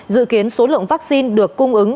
dự kiến số lượng vaccine được cung ứng